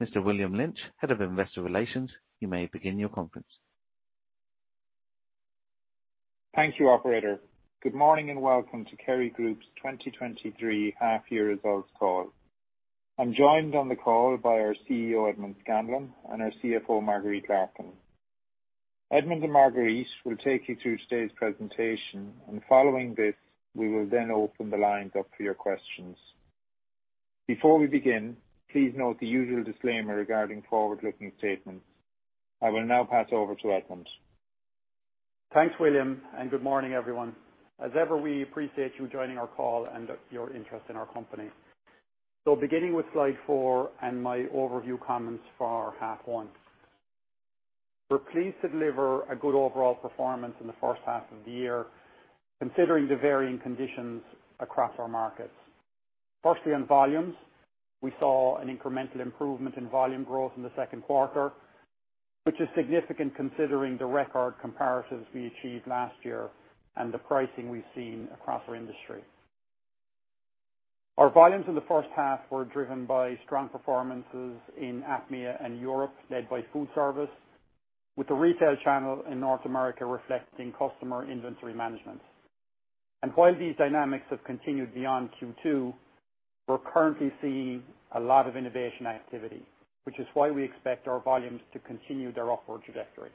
Thank you. Mr. William Lynch, Head of Investor Relations, you may begin your conference. Thank you, operator. Good morning, and welcome to Kerry Group's 2023 half year results call. I'm joined on the call by our CEO, Edmond Scanlon, and our CFO, Marguerite Larkin. Edmond and Marguerite will take you through today's presentation. Following this, we will then open the lines up for your questions. Before we begin, please note the usual disclaimer regarding forward-looking statements. I will now pass over to Edmond. Thanks, William, and good morning, everyone. As ever, we appreciate you joining our call and your interest in our company. Beginning with slide four and my overview comments for our Half 1. We're pleased to deliver a good overall performance in the first half of the year, considering the varying conditions across our markets. Firstly, on volumes, we saw an incremental improvement in volume growth in the second quarter, which is significant considering the record comparatives we achieved last year and the pricing we've seen across our industry. Our volumes in the first half were driven by strong performances in APMEA and Europe, led by food service, with the retail channel in North America reflecting customer inventory management. While these dynamics have continued beyond Q2, we're currently seeing a lot of innovation activity, which is why we expect our volumes to continue their upward trajectory.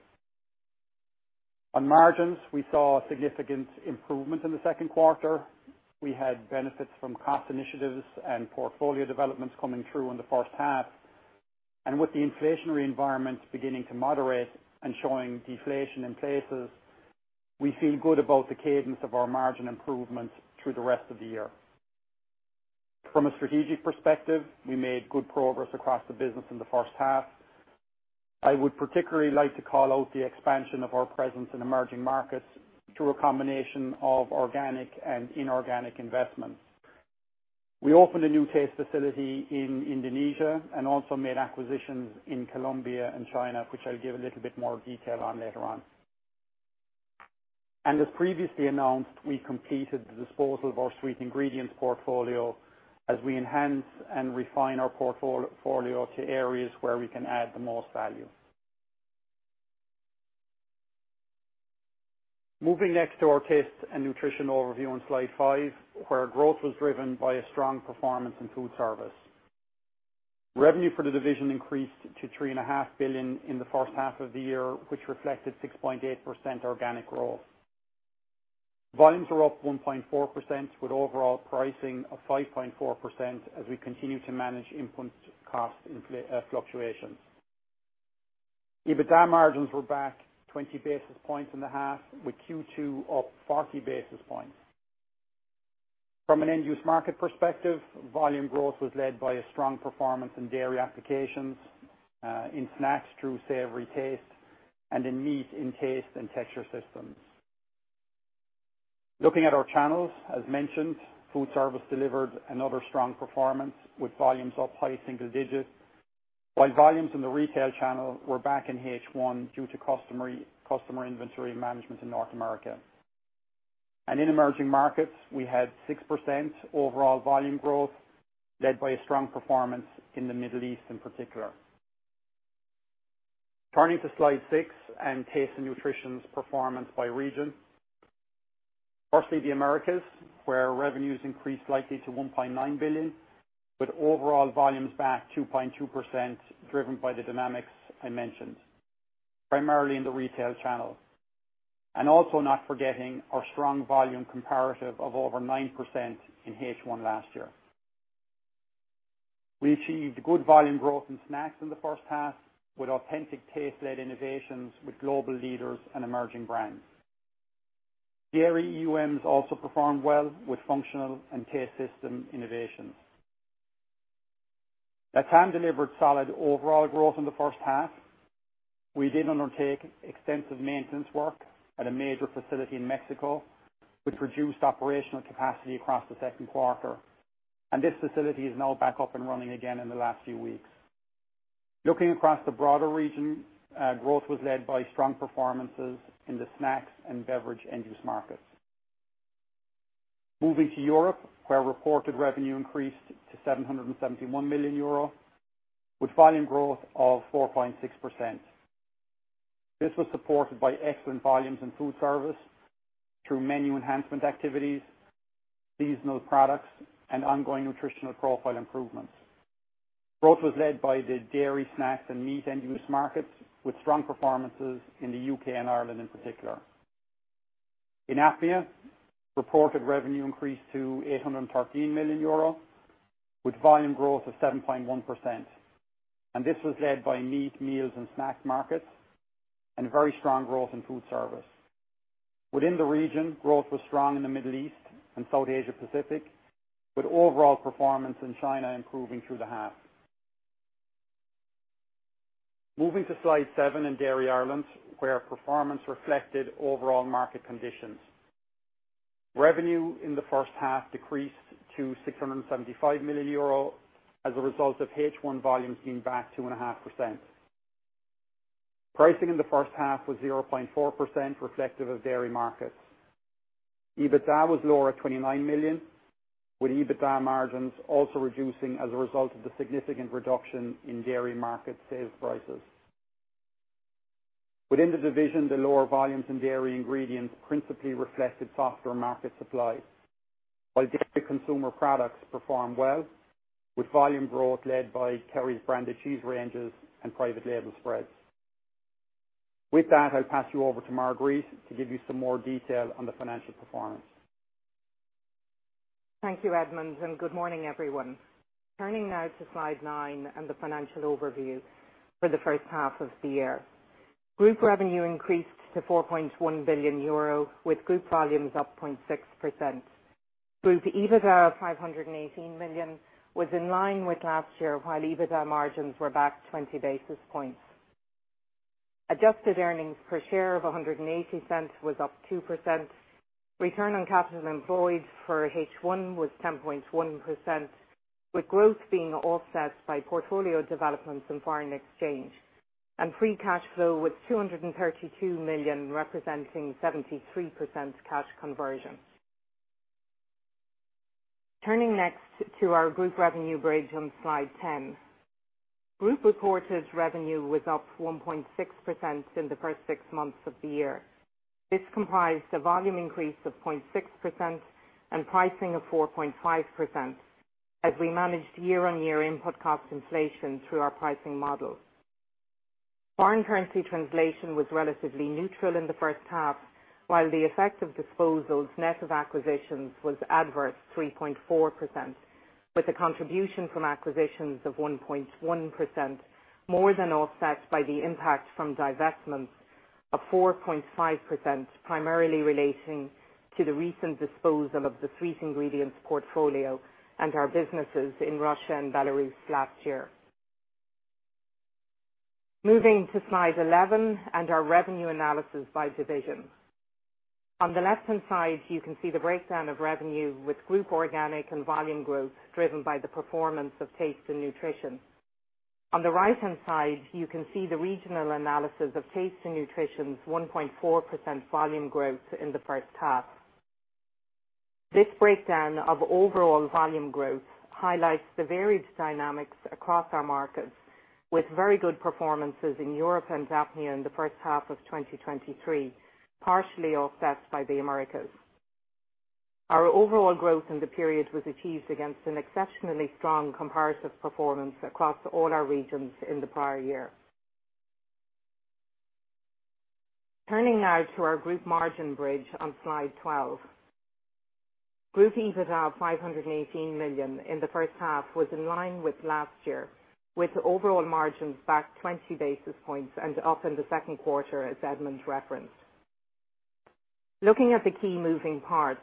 On margins, we saw a significant improvement in the second quarter. We had benefits from cost initiatives and portfolio developments coming through in the first half, and with the inflationary environment beginning to moderate and showing deflation in places, we feel good about the cadence of our margin improvements through the rest of the year. From a strategic perspective, we made good progress across the business in the first half. I would particularly like to call out the expansion of our presence in emerging markets through a combination of organic and inorganic investments. We opened a new taste facility in Indonesia and also made acquisitions in Colombia and China, which I'll give a little bit more detail on later on. As previously announced, we completed the disposal of our Sweet Ingredients Portfolio as we enhance and refine our portfolio to areas where we can add the most value. Moving next to our Taste & Nutrition overview on slide five, where growth was driven by a strong performance in foodservice. Revenue for the division increased to $3.5 billion in H1 of the year, which reflected 6.8% organic growth. Volumes were up 1.4%, with overall pricing of 5.4% as we continue to manage input cost fluctuations. EBITDA margins were back 20 basis points in H1, with Q2 up 40 basis points. From an End Use Market perspective, volume growth was led by a strong performance in dairy applications, in snacks through savory taste and in meat, in taste and texture systems. Looking at our channels, as mentioned, foodservice delivered another strong performance with volumes up high single digits, while volumes in the retail channel were back in H1 due to customer inventory management in North America. In emerging markets, we had 6% overall volume growth, led by a strong performance in the Middle East in particular. Turning to slide six and Taste & Nutrition's performance by region. Firstly, the Americas, where revenues increased likely to $1.9 billion, with overall volumes back 2.2%, driven by the dynamics I mentioned, primarily in the retail channel, and also not forgetting our strong volume comparative of over 9% in H1 last year. We achieved good volume growth in snacks in H1, with authentic taste-led innovations with global leaders and emerging brands. Dairy EUMs also performed well with functional and taste system innovations. Latin delivered solid overall growth in the first half. We did undertake extensive maintenance work at a major facility in Mexico, which reduced operational capacity across the second quarter, and this facility is now back up and running again in the last few weeks. Looking across the broader region, growth was led by strong performances in the snacks and beverage end-use markets. Moving to Europe, where reported revenue increased to 771 million euro, with volume growth of 4.6%. This was supported by excellent volumes in food service through menu enhancement activities, seasonal products, and ongoing nutritional profile improvements. Growth was led by the dairy, snacks, and meat end-use markets, with strong performances in the UK and Ireland in particular. In APMEA, reported revenue increased to 813 million euro, with volume growth of 7.1%, and this was led by meat, meals, and snack markets, and very strong growth in food service. Within the region, growth was strong in the Middle East and South Asia Pacific, with overall performance in China improving through the half. Moving to slide seven in Dairy Ireland, where performance reflected overall market conditions. Revenue in the first half decreased to 675 million euro as a result of H1 volumes being back 2.5%. pricing in the first half was 0.4%, reflective of dairy markets. EBITDA was lower at 29 million, with EBITDA margins also reducing as a result of the significant reduction in dairy market sales prices. Within the division, the lower volumes in dairy ingredients principally reflected softer market supply, while dairy consumer products performed well, with volume growth led by Kerry's branded cheese ranges and private label spreads. With that, I'll pass you over to Marguerite to give you some more detail on the financial performance. Thank you, Edmond, and good morning, everyone. Turning now to slide nine and the financial overview for the first half of the year. Group revenue increased to 4.1 billion euro, with group volumes up 0.6%. Group EBITDA of 518 million was in line with last year, while EBITDA margins were back 20 basis points. Adjusted earnings per share of 1.80 was up 2%. Return on capital employed for H1 was 10.1%, with growth being offset by portfolio developments and foreign exchange, and free cash flow was 232 million, representing 73% cash conversion. Turning next to our group revenue bridge on slide 10. Group reported revenue was up 1.6% in the first six months of the year. This comprised a volume increase of 0.6% and pricing of 4.5%, as we managed year-on-year input cost inflation through our pricing models. Foreign currency translation was relatively neutral in the first half, while the effect of disposals, net of acquisitions, was adverse 3.4%, with a contribution from acquisitions of 1.1%, more than offset by the impact from divestments of 4.5%, primarily relating to the recent disposal of the Sweet Ingredients Portfolio and our businesses in Russia and Belarus last year. Moving to slide 11 and our revenue analysis by division. On the left-hand side, you can see the breakdown of revenue with group organic and volume growth driven by the performance of Taste & Nutrition. On the right-hand side, you can see the regional analysis of Taste & Nutrition's 1.4% volume growth in the H1. This breakdown of overall volume growth highlights the varied dynamics across our markets, with very good performances in Europe and APMEA in the H1 of 2023, partially offset by the Americas. Our overall growth in the period was achieved against an exceptionally strong comparative performance across all our regions in the prior year. Turning now to our group margin bridge on slide 12. Group EBITDA of 518 million in the H1 was in line with last year, with overall margins back 20 basis points and up in the Q2, as Edmond referenced. Looking at the key moving parts,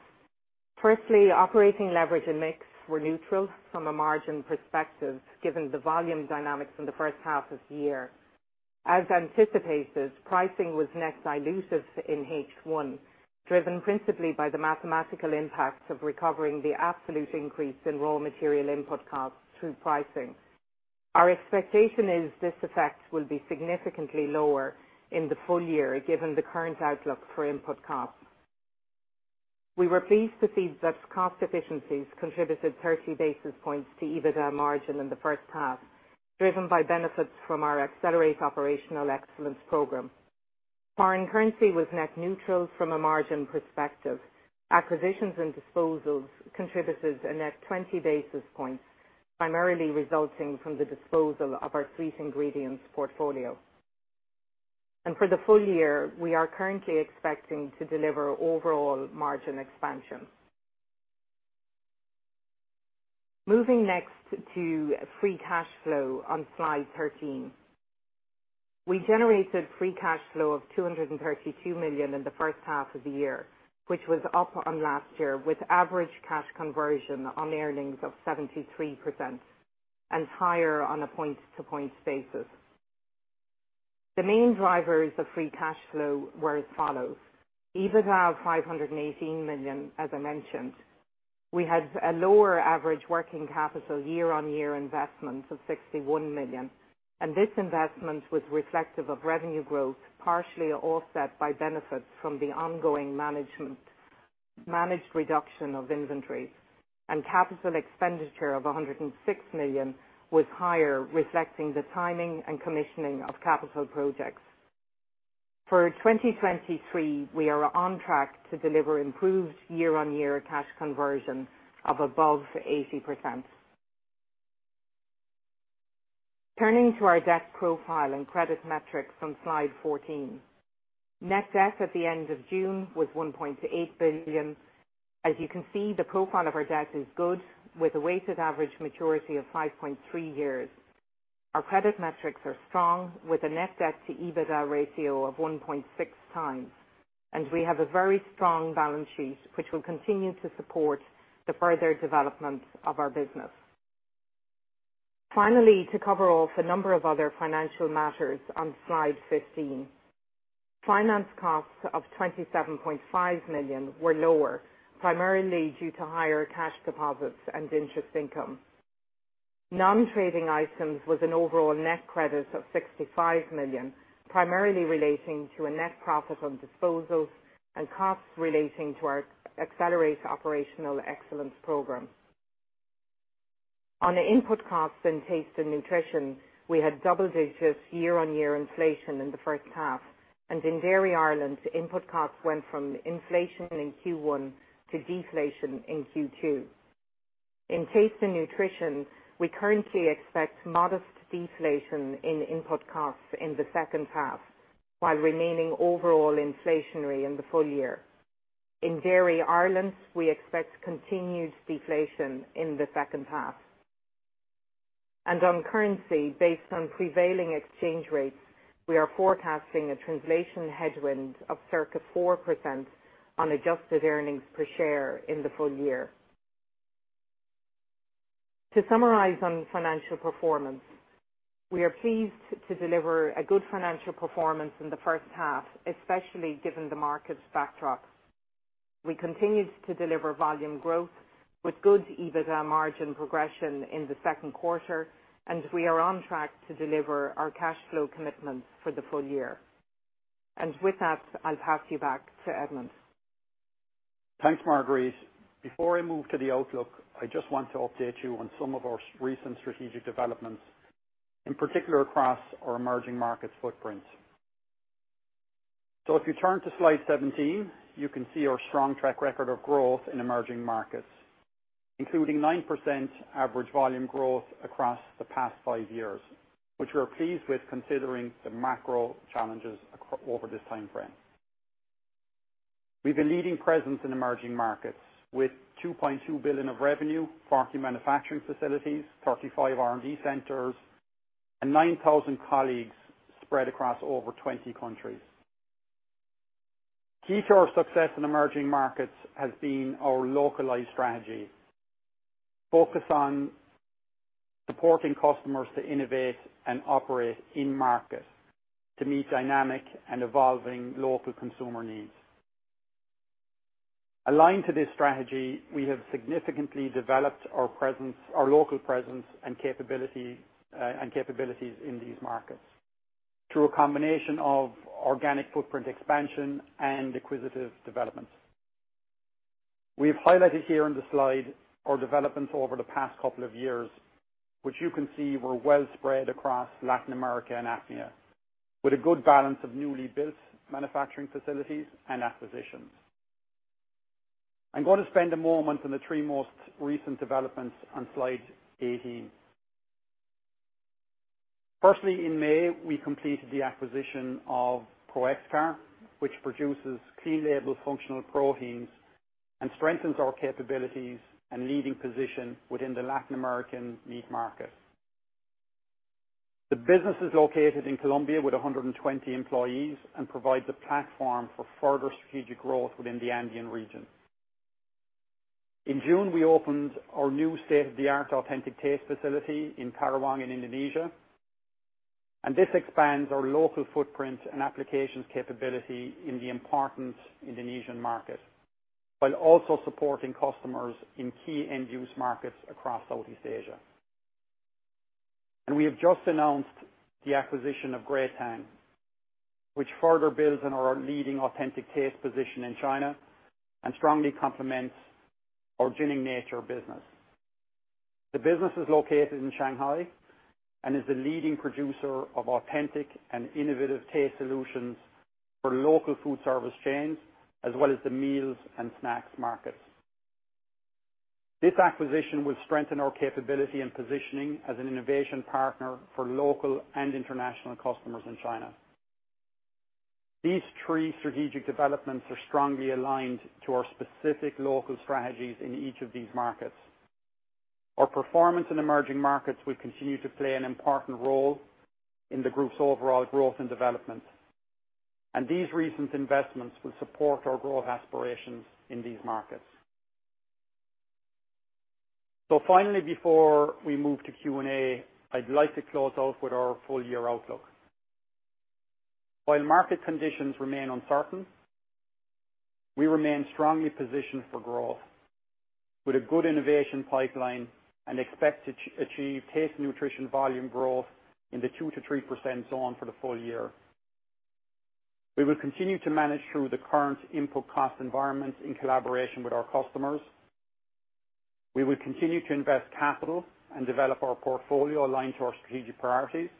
firstly, operating leverage and mix were neutral from a margin perspective, given the volume dynamics in the first half of the year. As anticipated, pricing was net dilutive in H1, driven principally by the mathematical impacts of recovering the absolute increase in raw material input costs through pricing. Our expectation is this effect will be significantly lower in the full year, given the current outlook for input costs. We were pleased to see that cost efficiencies contributed 30 basis points to EBITDA margin in the first half, driven by benefits from our Accelerate Operational Excellence program. Foreign currency was net neutral from a margin perspective. Acquisitions and disposals contributed a net 20 basis points, primarily resulting from the disposal of our Sweet Ingredients Portfolio. For the full year, we are currently expecting to deliver overall margin expansion. Moving next to free cash flow on slide 13. We generated free cash flow of 232 million in the first half of the year, which was up on last year, with average cash conversion on earnings of 73% and higher on a point-to-point basis. The main drivers of free cash flow were as follows: EBITDA of 518 million, as I mentioned. We had a lower average working capital year-on-year investment of 61 million, and this investment was reflective of revenue growth, partially offset by benefits from the ongoing management, managed reduction of inventory. Capital expenditure of 106 million was higher, reflecting the timing and commissioning of capital projects. For 2023, we are on track to deliver improved year-on-year cash conversion of above 80%. Turning to our debt profile and credit metrics on slide 14. Net debt at the end of June was 1.8 billion. As you can see, the profile of our debt is good, with a weighted average maturity of 5.3 years. Our credit metrics are strong, with a net debt to EBITDA ratio of 1.6x, and we have a very strong balance sheet, which will continue to support the further development of our business. Finally, to cover off a number of other financial matters on slide 15. Finance costs of 27.5 million were lower, primarily due to higher cash deposits and interest income. Non-trading items was an overall net credit of 65 million, primarily relating to a net profit on disposals and costs relating to our Accelerate Operational Excellence program. On the input costs and Taste & Nutrition, we had double digits year-on-year inflation in the first half. In Dairy Ireland, input costs went from inflation in Q1 to deflation in Q2. In Taste & Nutrition, we currently expect modest deflation in input costs in the second half, while remaining overall inflationary in the full year. In Dairy Ireland, we expect continued deflation in the second half. On currency, based on prevailing exchange rates, we are forecasting a translation headwind of circa 4% on adjusted earnings per share in the full year. To summarize on financial performance, we are pleased to deliver a good financial performance in the first half, especially given the market's backdrop. We continued to deliver volume growth with good EBITDA margin progression in the second quarter. We are on track to deliver our cash flow commitments for the full year. With that, I'll pass you back to Edmond. Thanks, Marguerite. Before I move to the outlook, I just want to update you on some of our recent strategic developments, in particular across our emerging markets footprint. If you turn to slide 17, you can see our strong track record of growth in emerging markets, including 9% average volume growth across the past five years, which we are pleased with considering the macro challenges over this time frame. We've a leading presence in emerging markets with $2.2 billion of revenue, 40 manufacturing facilities, 35 R&D centers, and 9,000 colleagues spread across over 20 countries. Key to our success in emerging markets has been our localized strategy, focused on supporting customers to innovate and operate in market to meet dynamic and evolving local consumer needs. Aligned to this strategy, we have significantly developed our presence, our local presence and capability, and capabilities in these markets through a combination of organic footprint expansion and acquisitive developments. We've highlighted here on the slide our developments over the past couple of years, which you can see were well spread across Latin America and APMEA, with a good balance of newly built manufacturing facilities and acquisitions. I'm going to spend a moment on the three most recent developments on slide 18. Firstly, in May, we completed the acquisition of Proexcar, which produces clean label functional proteins and strengthens our capabilities and leading position within the Latin American meat market. The business is located in Colombia with 120 employees and provides a platform for further strategic growth within the Andean region. In June, we opened our new state-of-the-art authentic taste facility in Karawang, in Indonesia. This expands our local footprint and applications capability in the important Indonesian market, while also supporting customers in key end-use markets across Southeast Asia. We have just announced the acquisition of Greatang, which further builds on our leading authentic taste position in China and strongly complements our Genuine Nature business. The business is located in Shanghai and is the leading producer of authentic and innovative taste solutions for local food service chains, as well as the meals and snacks markets. This acquisition will strengthen our capability and positioning as an innovation partner for local and international customers in China. These three strategic developments are strongly aligned to our specific local strategies in each of these markets. Our performance in emerging markets will continue to play an important role in the group's overall growth and development, and these recent investments will support our growth aspirations in these markets. Finally, before we move to Q&A, I'd like to close out with our full year outlook. While market conditions remain uncertain, we remain strongly positioned for growth with a good innovation pipeline and expect to achieve Taste & Nutrition volume growth in the 2%-3% zone for the full year. We will continue to manage through the current input cost environment in collaboration with our customers. We will continue to invest capital and develop our portfolio aligned to our strategic priorities.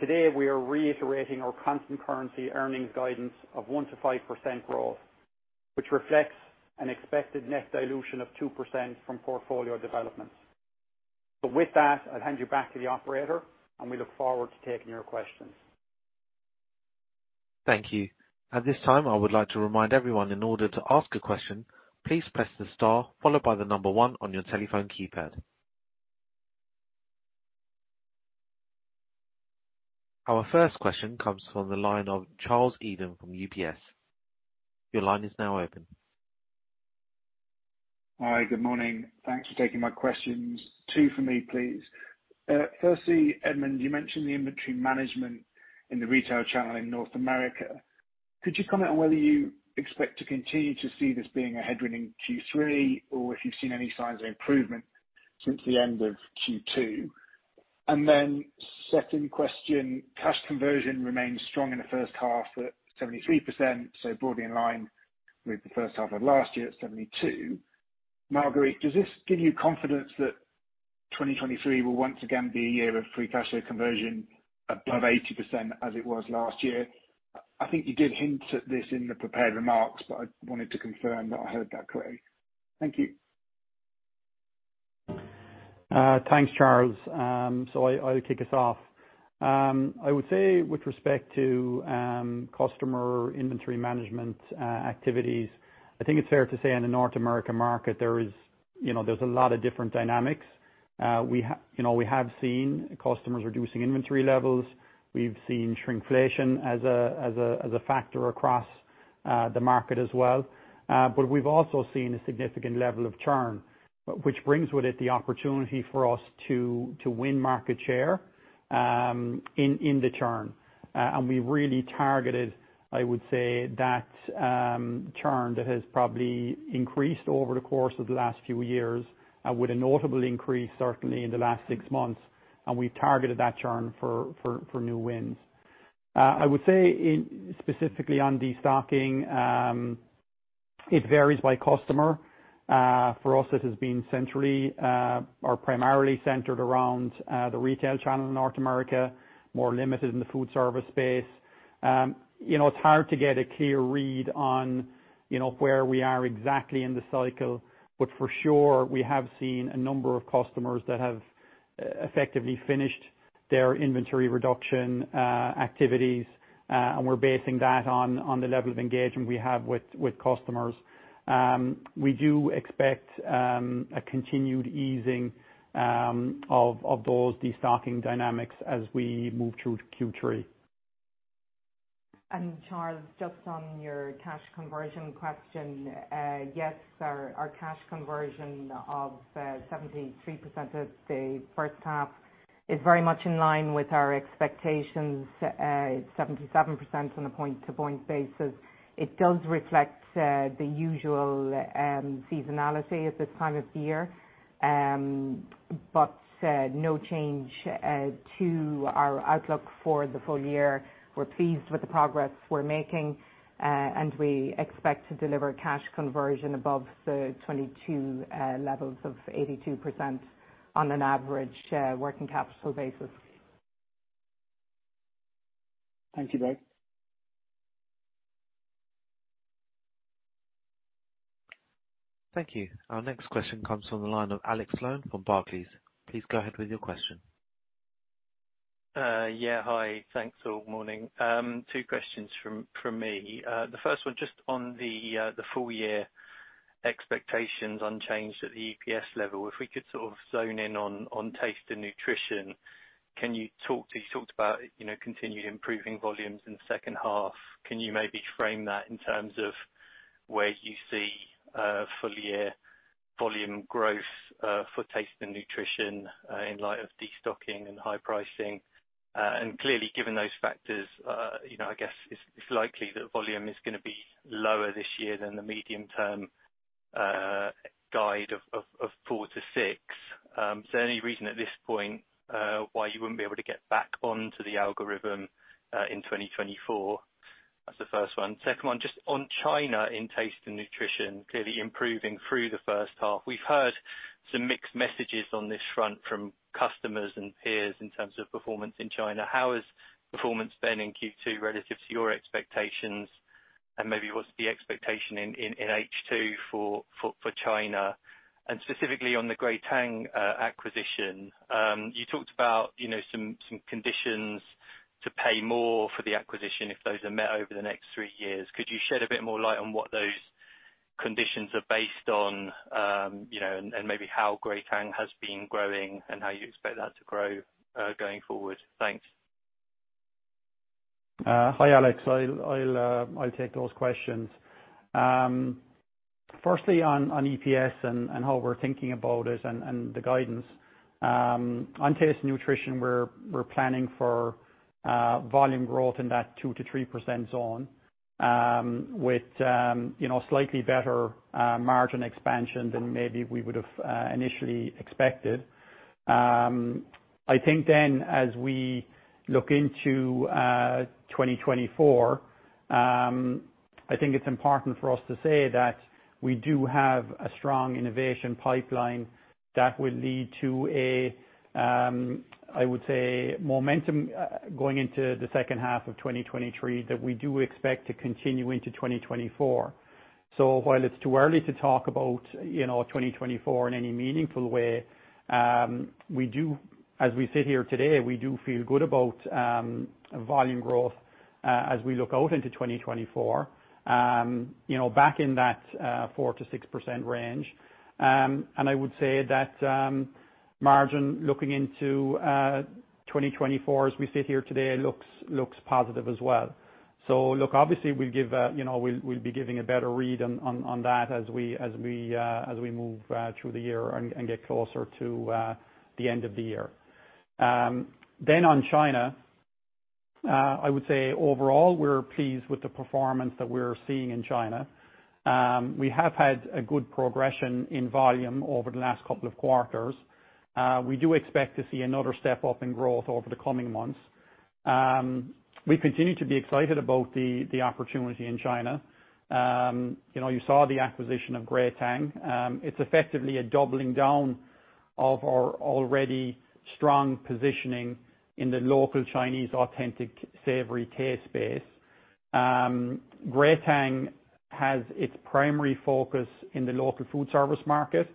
Today, we are reiterating our constant currency earnings guidance of 1%-5% growth, which reflects an expected net dilution of 2% from portfolio developments. With that, I'll hand you back to the operator, and we look forward to taking your questions. Thank you. At this time, I would like to remind everyone, in order to ask a question, please press the star followed by the number one on your telephone keypad. Our first question comes from the line of Charles Eden from UBS. Your line is now open. Hi, good morning. Thanks for taking my questions. Two for me, please. Firstly, Edmond, you mentioned the inventory management in the retail channel in North America. Could you comment on whether you expect to continue to see this being a headwind in Q3, or if you've seen any signs of improvement since the end of Q2? Second question, cash conversion remains strong in the first half at 73%, so broadly in line with the first half of last year at 72%. Marguerite, does this give you confidence that 2023 will once again be a year of free cash flow conversion above 80% as it was last year? I, I think you did hint at this in the prepared remarks, but I wanted to confirm that I heard that correctly. Thank you. Thanks, Charles. I, I'll kick us off. I would say with respect to customer inventory management activities, I think it's fair to say in the North America market, there is, you know, there's a lot of different dynamics. We you know, we have seen customers reducing inventory levels. We've seen shrinkflation as a, as a, as a factor across the market as well. We've also seen a significant level of churn, which brings with it the opportunity for us to, to win market share, in, in the churn. We really targeted, I would say, that churn that has probably increased over the course of the last few years, with a notable increase certainly in the last six months, and we've targeted that churn for, for, for new wins. I would say in, specifically on destocking, it varies by customer. For us, it has been centrally, or primarily centered around, the retail channel in North America, more limited in the food service space. You know, it's hard to get a clear read on, you know, where we are exactly in the cycle, but for sure, we have seen a number of customers that have, effectively finished their inventory reduction, activities. We're basing that on, on the level of engagement we have with, with customers. We do expect, a continued easing, of, of those destocking dynamics as we move through to Q3. Charles, just on your cash conversion question. Yes, our, our cash conversion of 73% of the first half is very much in line with our expectations, 77% on a point-to-point basis. It does reflect the usual seasonality at this time of the year, but no change to our outlook for the full year. We're pleased with the progress we're making, and we expect to deliver cash conversion above the 2022 levels of 82% on an average working capital basis. Thank you, both. Thank you. Our next question comes from the line of Alex Sloane from Barclays. Please go ahead with your question. Yeah, hi. Thanks all morning. Two questions from me. The first one, just on the full year expectations unchanged at the EPS level. If we could sort of zone in on Taste & Nutrition, can you talk, you talked about, you know, continued improving volumes in the second half. Can you maybe frame that in terms of where you see full year volume growth for Taste & Nutrition in light of destocking and high pricing? Clearly, given those factors, you know, I guess it's likely that volume is gonna be lower this year than the medium term guide of 4-6. Is there any reason at this point why you wouldn't be able to get back onto the algorithm in 2024? That's the first one. Second one, just on China, in Taste & Nutrition, clearly improving through the first half. We've heard some mixed messages on this front from customers and peers in terms of performance in China. How has performance been in Q2 relative to your expectations? Maybe what's the expectation in H2 for China? Specifically on the Greatang acquisition, you talked about, you know, some conditions to pay more for the acquisition if those are met over the next three years. Could you shed a bit more light on what those conditions are based on, you know, and maybe how Greatang has been growing and how you expect that to grow going forward? Thanks. Hi, Alex. I'll, I'll, I'll take those questions. Firstly on, on EPS and, and how we're thinking about it and, and the guidance. On Taste & Nutrition, we're, we're planning for, volume growth in that 2%-3% zone, with, you know, slightly better, margin expansion than maybe we would've, initially expected. I think then as we look into, 2024, I think it's important for us to say that we do have a strong innovation pipeline that will lead to a, I would say, momentum, going into the second half of 2023, that we do expect to continue into 2024. While it's too early to talk about, you know, 2024 in any meaningful way, we do, as we sit here today, we do feel good about volume growth, as we look out into 2024, you know, back in that 4%-6% range. I would say that margin looking into 2024 as we sit here today looks, looks positive as well. Look, obviously we'll give a, you know, we'll, we'll be giving a better read on, on, on that as we, as we, as we move through the year and, and get closer to the end of the year. On China, I would say overall, we're pleased with the performance that we're seeing in China. We have had a good progression in volume over the last couple of quarters. We do expect to see another step up in growth over the coming months. We continue to be excited about the opportunity in China. You know, you saw the acquisition of Greatang. It's effectively a doubling down of our already strong positioning in the local Chinese authentic savory taste space. Greatang has its primary focus in the local food service market,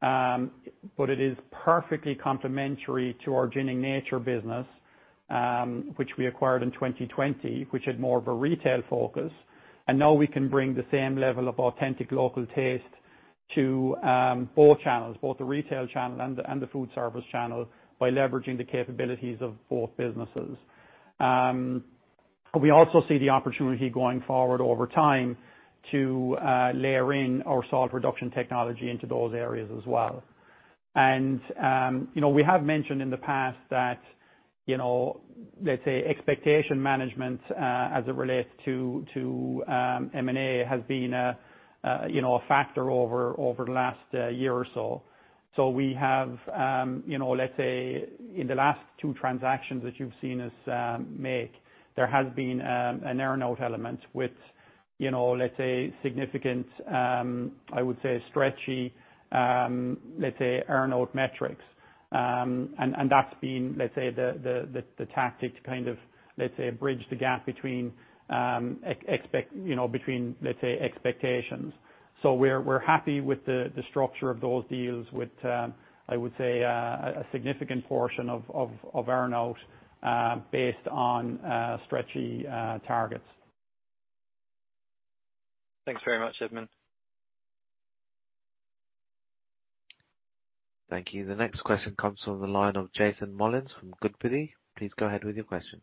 but it is perfectly complementary to our Genuine Nature business, which we acquired in 2020, which had more of a retail focus. Now we can bring the same level of authentic local taste to both channels, both the retail channel and the food service channel, by leveraging the capabilities of both businesses. We also see the opportunity going forward over time to layer in our salt reduction technology into those areas as well. You know, we have mentioned in the past that, you know, let's say, expectation management, as it relates to, to M&A, has been a, a, you know, a factor over, over the last year or so. We have, you know, let's say in the last two transactions that you've seen us make, there has been an earn-out element with, you know, let's say, significant, I would say stretchy, let's say earn-out metrics. And that's been, let's say, the, the, the, the tactic to kind of, let's say, bridge the gap between, you know, between, let's say, expectations. We're, we're happy with the, the structure of those deals with, I would say, a significant portion of, of, of earn-out, based on, stretchy, targets. Thanks very much, Edmond. Thank you. The next question comes from the line of Jason Molins from Goodbody. Please go ahead with your question.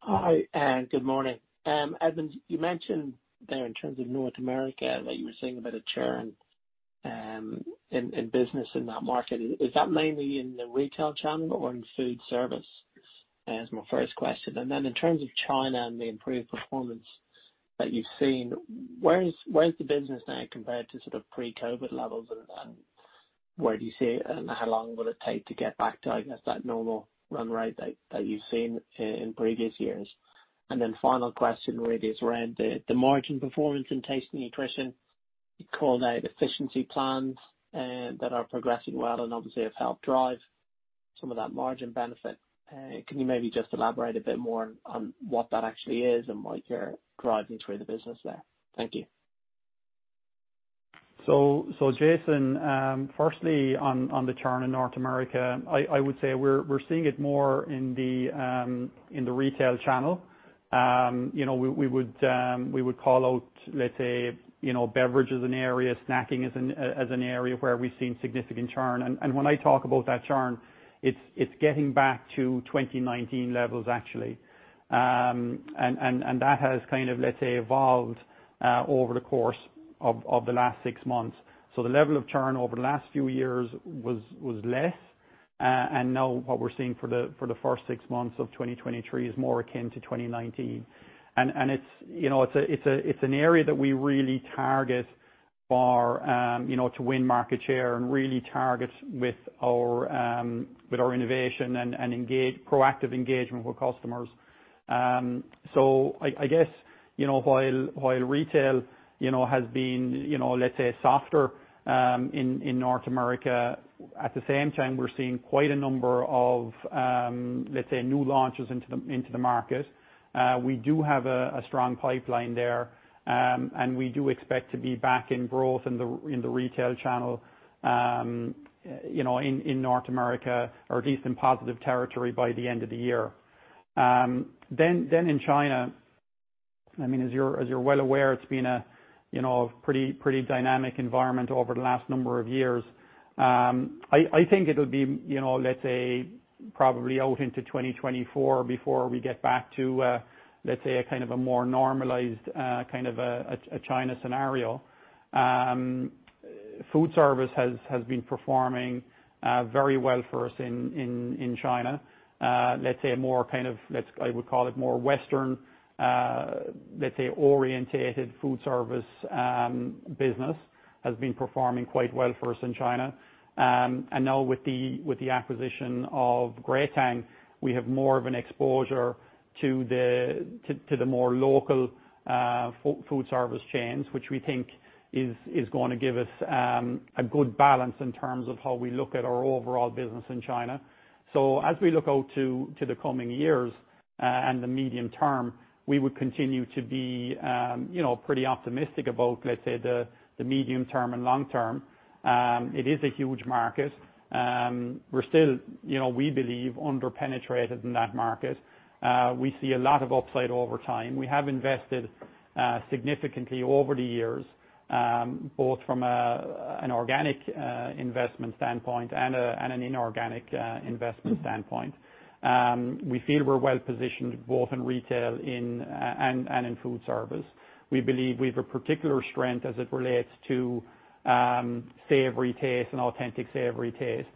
Hi, good morning. Edmond, you mentioned there, in terms of North America, that you were seeing a bit of churn in business in that market. Is that mainly in the retail channel or in food service? That's my first question. Then in terms of China and the improved performance that you've seen, where's the business now compared to sort of pre-COVID levels, and where do you see it, and how long will it take to get back to, I guess, that normal run rate that you've seen in previous years? Then final question really is around the, the margin performance and Taste & Nutrition. You called out efficiency plans that are progressing well and obviously have helped drive some of that margin benefit. Can you maybe just elaborate a bit more on, on what that actually is and what you're driving through the business there? Thank you. Jason, firstly, on, on the churn in North America, I, I would say we're, we're seeing it more in the retail channel. You know, we, we would, we would call out, let's say, you know, beverage as an area, snacking as an, as an area where we've seen significant churn. When I talk about that churn, it's, it's getting back to 2019 levels, actually. That has kind of, let's say, evolved over the course of the last six months. The level of churn over the last few years was, was less, and now what we're seeing for the, for the first six months of 2023 is more akin to 2019. it's, you know, it's a, it's a, it's an area that we really target for, you know, to win market share and really target with our, with our innovation and proactive engagement with customers. So I, I guess, you know, while, while retail, you know, has been, you know, let's say, softer, in, in North America, at the same time, we're seeing quite a number of, let's say, new launches into the, into the market. We do have a, a strong pipeline there, and we do expect to be back in growth in the, in the retail channel, you know, in, in North America, or at least in positive territory by the end of the year. Then in China, I mean, as you're, as you're well aware, it's been a, you know, pretty, pretty dynamic environment over the last number of years. I, I think it'll be, you know, let's say, probably out into 2024 before we get back to, let's say a kind of a more normalized, kind of a, a China scenario. Food service has, has been performing, very well for us in China. Let's say a more kind of, I would call it more Western, let's say, orientated food service, business, has been performing quite well for us in China. Now with the acquisition of Greatang, we have more of an exposure to the more local food service chains, which we think is going to give us a good balance in terms of how we look at our overall business in China. As we look out to the coming years, and the medium term, we would continue to be, you know, pretty optimistic about the medium term and long term. It is a huge market. We're still, you know, we believe, under-penetrated in that market. We see a lot of upside over time. We have invested significantly over the years, both from an organic investment standpoint and an inorganic investment standpoint. We feel we're well positioned both in retail, in, and in food service. We believe we have a particular strength as it relates to savory taste and authentic savory taste.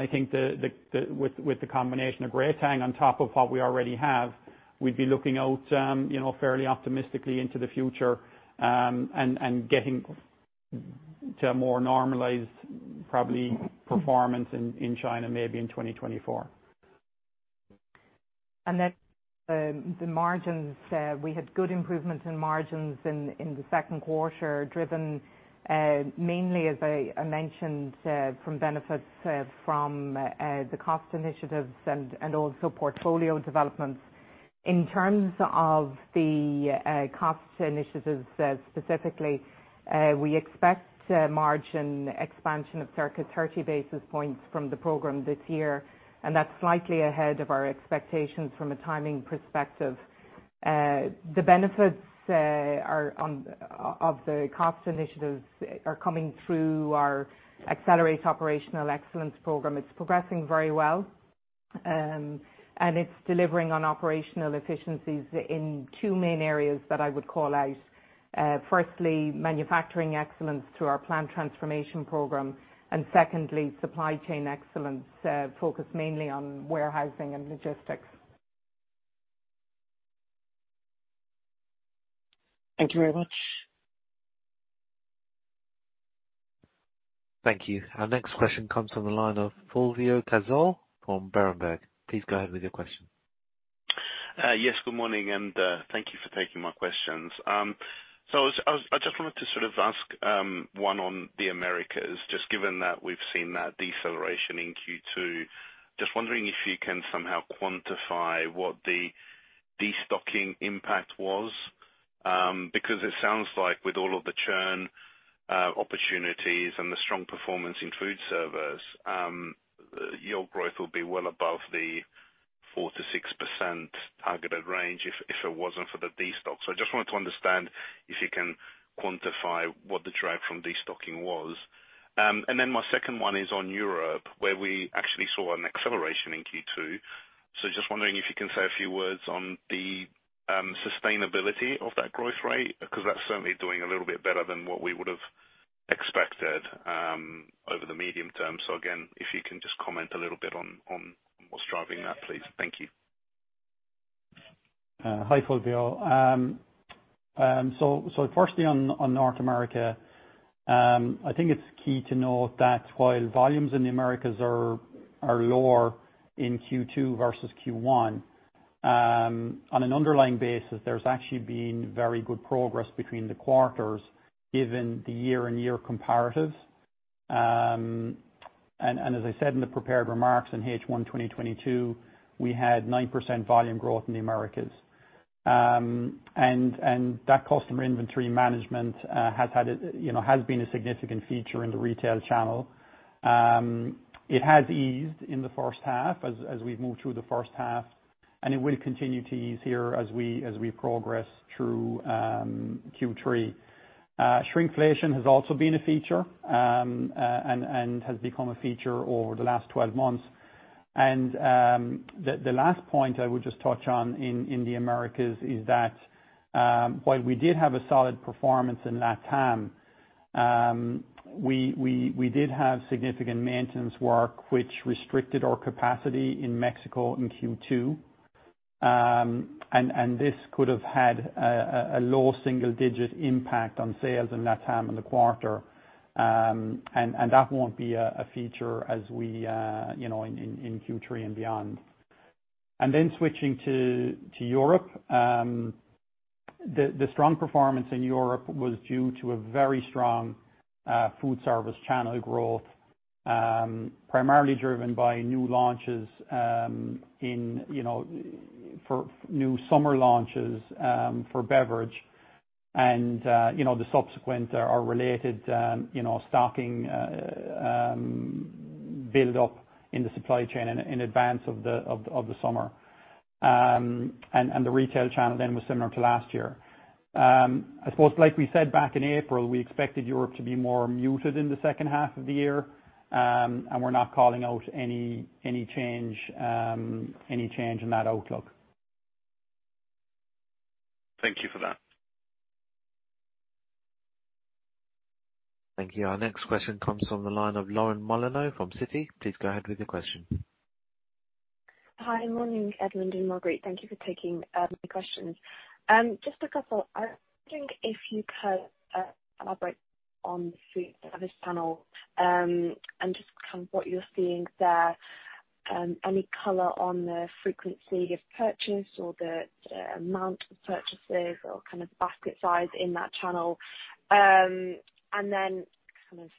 I think with the combination of Greatang on top of what we already have, we'd be looking out, you know, fairly optimistically into the future, and getting to a more normalized, probably, performance in China, maybe in 2024. Then, the margins, we had good improvements in margins in, in the second quarter, driven mainly as I, I mentioned, from benefits from the cost initiatives and also portfolio developments. In terms of the cost initiatives, specifically, we expect margin expansion of circa 30 basis points from the program this year, and that's slightly ahead of our expectations from a timing perspective. The benefits are on of the cost initiatives are coming through our Accelerate Operational Excellence program. It's progressing very well, and it's delivering on operational efficiencies in two main areas that I would call out. Firstly, manufacturing excellence through our plant transformation program, and secondly, supply chain excellence, focused mainly on warehousing and logistics. Thank you very much. Thank you. Our next question comes from the line of Fulvio Cazzol from Berenberg. Please go ahead with your question. Yes, good morning, thank you for taking my questions. I just wanted to sort of ask one on the Americas, just given that we've seen that deceleration in Q2. Just wondering if you can somehow quantify what the destocking impact was? Because it sounds like with all of the churn opportunities and the strong performance in food service, your growth will be well above the 4%-6% targeted range if, if it wasn't for the destock. I just wanted to understand if you can quantify what the drag from destocking was. My second one is on Europe, where we actually saw an acceleration in Q2. Just wondering if you can say a few words on the sustainability of that growth rate, because that's certainly doing a little bit better than what we would have expected over the medium term. Again, if you can just comment a little bit on, on what's driving that, please. Thank you. Hi, Fulvio. Firstly on North America, I think it's key to note that while volumes in the Americas are lower in Q2 versus Q1, on an underlying basis, there's actually been very good progress between the quarters, given the year-on-year comparatives. As I said in the prepared remarks, in H1 2022, we had 9% volume growth in the Americas. That customer inventory management, you know, has been a significant feature in the retail channel. It has eased in the first half as we've moved through the first half, and it will continue to ease here as we progress through Q3. Shrinkflation has also been a feature and has become a feature over the last 12 months. The last point I would just touch on in the Americas is that, while we did have a solid performance in LatAm, we did have significant maintenance work, which restricted our capacity in Mexico in Q2. This could have had a low single-digit impact on sales in LatAm in the quarter. That won't be a feature as we, you know, in Q3 and beyond. Then switching to Europe. The strong performance in Europe was due to a very strong food service channel growth, primarily driven by new launches, in, you know, for new summer launches, for beverage. You know, the subsequent or related, you know, stocking, build up in the supply chain in, in advance of the, of, of the summer. The retail channel then was similar to last year. I suppose like we said back in April, we expected Europe to be more muted in the second half of the year. We're not calling out any, any change, any change in that outlook. Thank you for that. Thank you. Our next question comes from the line of Lauren Molyneux from Citi. Please go ahead with your question. Hi, morning, Edmond and Marguerite. Thank you for taking, my questions. Just a couple. I was wondering if you could elaborate on the food service panel, and just kind of what you're seeing there. Any color on the frequency of purchase or the amount of purchases or kind of basket size in that channel? Then kind of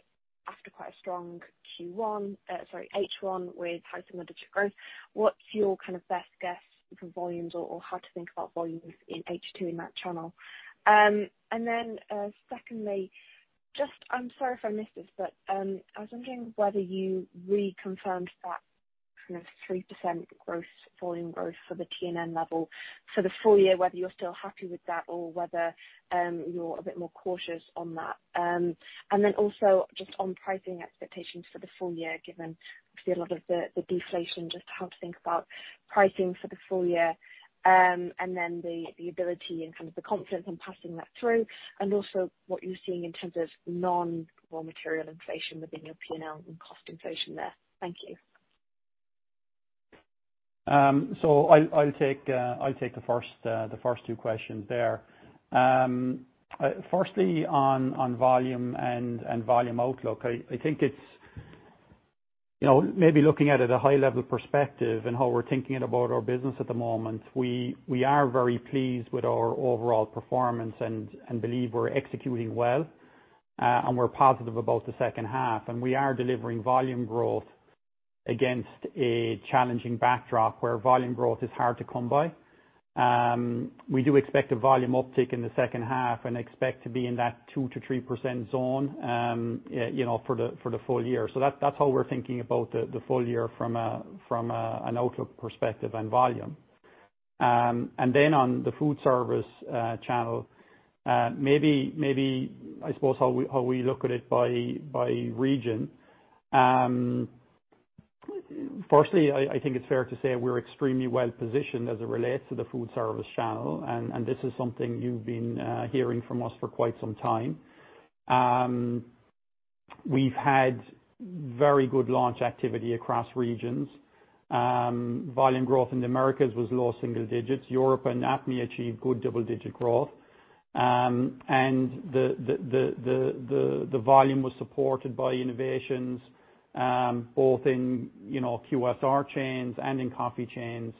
after quite a strong Q1, sorry, H1, with high single-digit growth, what's your kind of best guess for volumes or, or how to think about volumes in H2 in that channel? Then secondly, I'm sorry if I missed this, but, I was wondering whether you reconfirmed that kind of 3% growth, volume growth for the T&N level for the full year, whether you're still happy with that or whether, you're a bit more cautious on that? Also just on pricing expectations for the full year, given obviously a lot of the, the deflation, just how to think about pricing for the full year. Then the, the ability and kind of the confidence in passing that through, and also what you're seeing in terms of non-raw material inflation within your P&L and cost inflation there. Thank you.... I'll, I'll take, I'll take the first two questions there. Firstly, on volume and, and volume outlook, I, I think it's, you know, maybe looking at it a high level perspective and how we're thinking about our business at the moment, we, we are very pleased with our overall performance and, and believe we're executing well, and we're positive about the second half. We are delivering volume growth against a challenging backdrop, where volume growth is hard to come by. We do expect a volume uptick in the second half and expect to be in that 2%-3% zone, you know, for the, for the full year. That's, that's how we're thinking about the, the full year from a, from a, an outlook perspective and volume. On the food service channel, I suppose how we look at it by region. Firstly, I think it's fair to say we're extremely well positioned as it relates to the food service channel, and this is something you've been hearing from us for quite some time. We've had very good launch activity across regions. Volume growth in the Americas was low single digits. Europe and APMEA achieved good double-digit growth. The volume was supported by innovations, both in, you know, QSR chains and in coffee chains,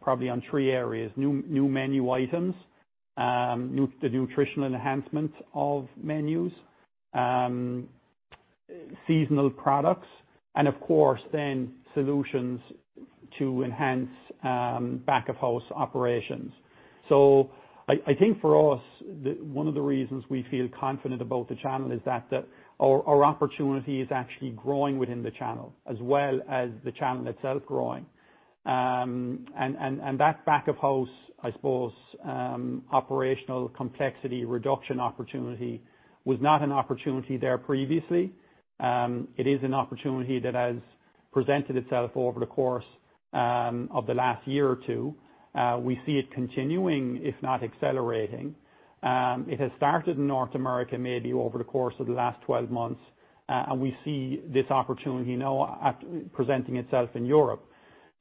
probably on three areas: new menu items, the nutritional enhancement of menus, seasonal products, and of course, then solutions to enhance back of house operations. I think for us, the... One of the reasons we feel confident about the channel is that our opportunity is actually growing within the channel, as well as the channel itself growing. That back of house, I suppose, operational complexity reduction opportunity was not an opportunity there previously. It is an opportunity that has presented itself over the course of the last year or two. We see it continuing, if not accelerating. It has started in North America, maybe over the course of the last 12 months, and we see this opportunity now at presenting itself in Europe.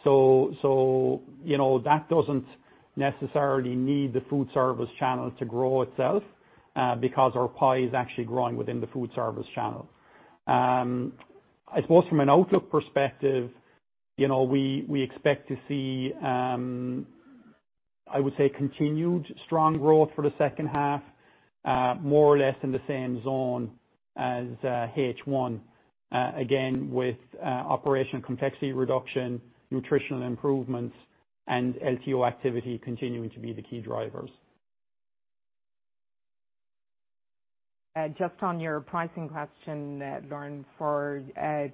You know, that doesn't necessarily need the food service channel to grow itself, because our pie is actually growing within the food service channel. I suppose from an outlook perspective, you know, we, we expect to see, I would say, continued strong growth for the second half, more or less in the same zone as H1. Again, with operational complexity reduction, nutritional improvements, and LTO activity continuing to be the key drivers. Just on your pricing question, Lauren, for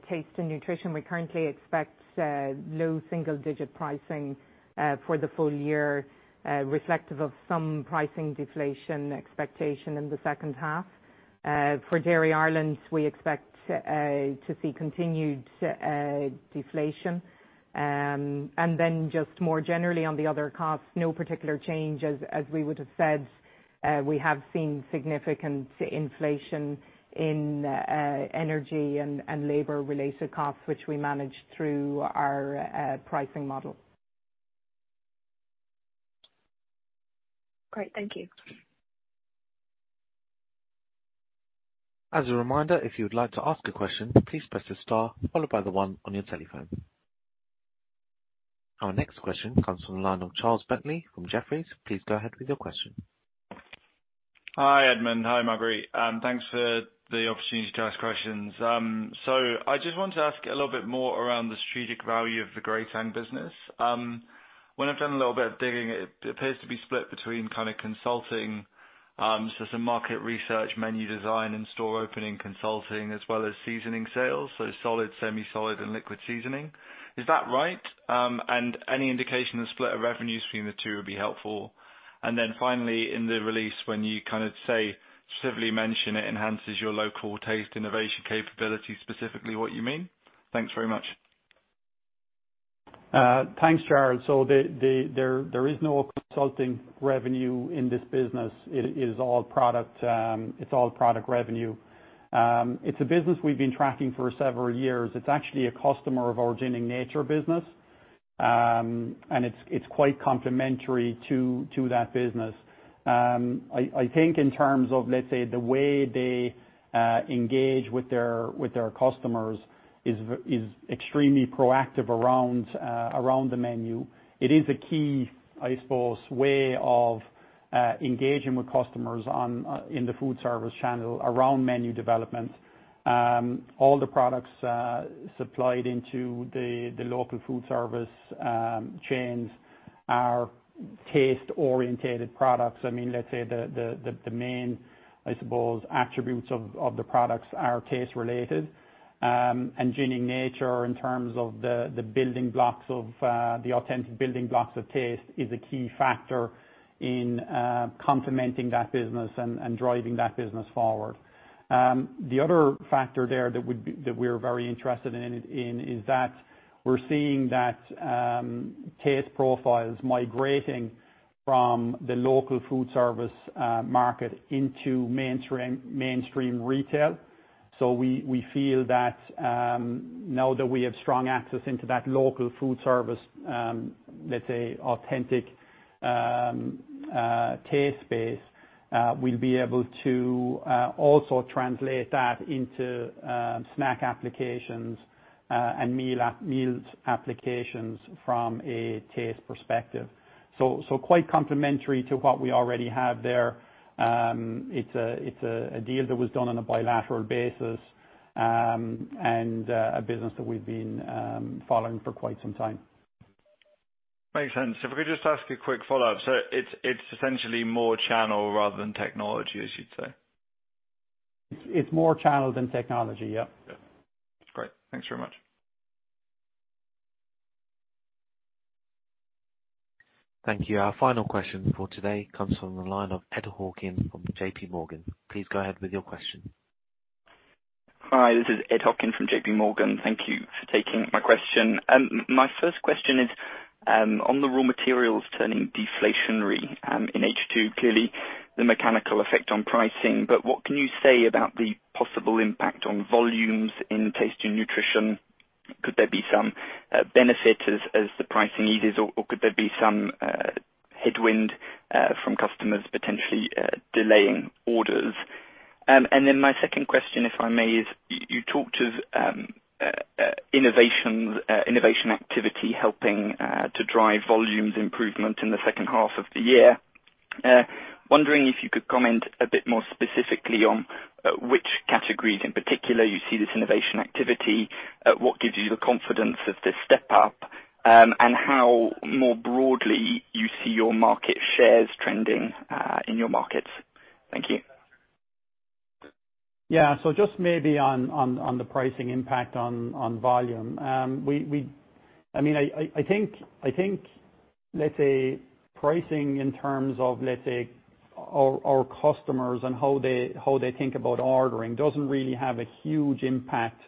Taste & Nutrition, we currently expect low single-digit pricing for the full year, reflective of some pricing deflation expectation in the second half. For Dairy Ireland, we expect to see continued deflation. Just more generally on the other costs, no particular change. As we would've said, we have seen significant inflation in energy and labor related costs, which we manage through our pricing model. Great, thank you. As a reminder, if you'd like to ask a question, please press the star followed by the one on your telephone. Our next question comes from the line of Charles Bentley from Jefferies. Please go ahead with your question. Hi, Edmond. Hi, Marguerite. Thanks for the opportunity to ask questions. I just wanted to ask a little bit more around the strategic value of the Greatang business. When I've done a little bit of digging, it appears to be split between kind of consulting, some market research, menu design, and store opening consulting, as well as seasoning sales, solid, semi-solid, and liquid seasoning. Is that right? Any indication of the split of revenues between the two would be helpful. Finally, in the release, when you kind of say, specifically mention it enhances your local taste innovation capability, specifically what you mean? Thanks very much. Thanks, Charles. There is no consulting revenue in this business. It is all product, it's all product revenue. It's a business we've been tracking for several years. It's actually a customer of our Genuine Nature business. And it's, it's quite complementary to, to that business. I, I think in terms of, let's say, the way they engage with their, with their customers is extremely proactive around, around the menu. It is a key, I suppose, way of engaging with customers on, in the food service channel around menu development. All the products supplied into the, the local food service, chains are taste-orientated products. I mean, let's say the, the, the, the main, I suppose, attributes of, of the products are taste related. Genuine Nature, in terms of the, the building blocks of the authentic building blocks of taste, is a key factor in complementing that business and, and driving that business forward. The other factor there that we're very interested in, in, is that we're seeing that taste profiles migrating from the local food service market into mainstream, mainstream retail. We, we feel that now that we have strong access into that local food service, let's say authentic taste space, we'll be able to also translate that into snack applications and meal meals applications from a taste perspective. Quite complementary to what we already have there. It's a deal that was done on a bilateral basis, and a business that we've been following for quite some time. Makes sense. If I could just ask a quick follow-up. It's, it's essentially more channel rather than technology, as you'd say? It's more channel than technology, yep. Yeah. That's great. Thanks very much. Thank you. Our final question for today comes from the line of Edward Hockin from JPMorgan. Please go ahead with your question. Hi, this is Edward Hockin from JPMorgan. Thank you for taking my question. My first question is on the raw materials turning deflationary in H2. Clearly, the mechanical effect on pricing, but what can you say about the possible impact on volumes in Taste & Nutrition? Could there be some benefit as, as the pricing eases, or, or could there be some headwind from customers potentially delaying orders? My second question, if I may, is you talked of innovation, innovation activity helping to drive volumes improvement in the second half of the year. Wondering if you could comment a bit more specifically on which categories in particular you see this innovation activity, what gives you the confidence of this step up, and how more broadly you see your market shares trending in your markets? Thank you. Yeah. Just maybe on the pricing impact on volume. We I mean, I think pricing in terms of our customers and how they think about ordering, doesn't really have a huge impact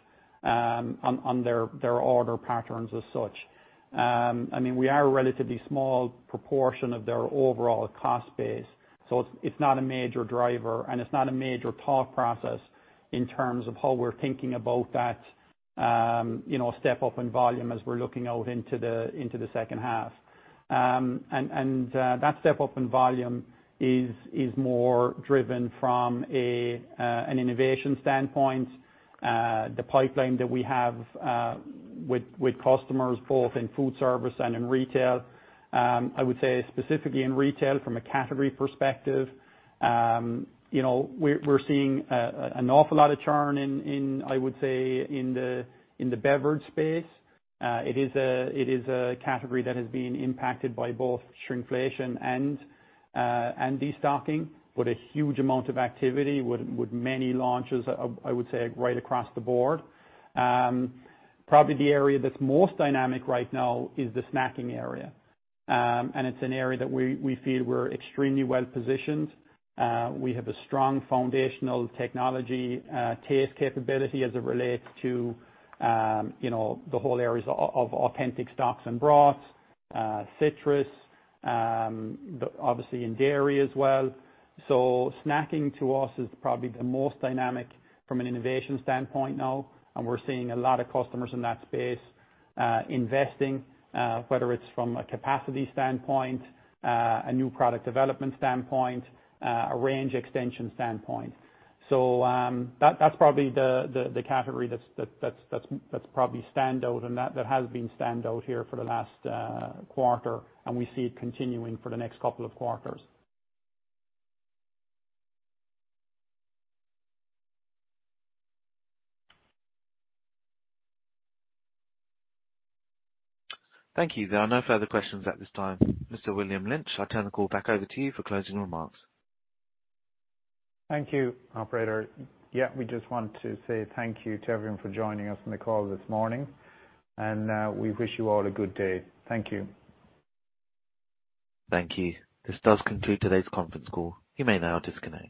on their order patterns as such. I mean, we are a relatively small proportion of their overall cost base, so it's not a major driver, and it's not a major thought process in terms of how we're thinking about that, you know, step up in volume as we're looking out into the second half. And that step up in volume is more driven from an innovation standpoint, the pipeline that we have with customers, both in foodservice and in retail. I would say specifically in retail, from a category perspective, you know, we're, we're seeing an awful lot of churn in, I would say, in the beverage space. It is a category that has been impacted by both shrinkflation and destocking, but a huge amount of activity with many launches, I would say, right across the board. Probably the area that's most dynamic right now is the snacking area, and it's an area that we feel we're extremely well positioned. We have a strong foundational technology, taste capability as it relates to, you know, the whole areas of authentic stocks and broths, citrus, obviously in dairy as well. Snacking to us is probably the most dynamic from an innovation standpoint now, and we're seeing a lot of customers in that space, investing, whether it's from a capacity standpoint, a new product development standpoint, a range extension standpoint. That's probably the category that's stand out and that has been stand out here for the last quarter, and we see it continuing for the next couple of quarters. Thank you. There are no further questions at this time. Mr. William Lynch, I turn the call back over to you for closing remarks. Thank you, operator. Yeah, we just want to say thank you to everyone for joining us on the call this morning. We wish you all a good day. Thank you. Thank you. This does conclude today's conference call. You may now disconnect.